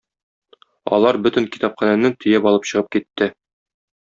Алар бөтен китапханәне төяп алып чыгып китте.